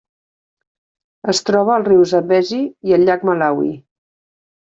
Es troba al riu Zambezi i al llac Malawi.